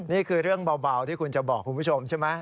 นี่คือเรื่องเบาที่คุณจะบอกคุณผู้ชมใช่ไหม